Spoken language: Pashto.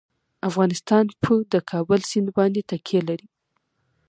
افغانستان په د کابل سیند باندې تکیه لري.